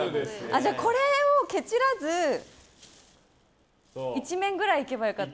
じゃあこれをケチらず一面くらいいけば良かった。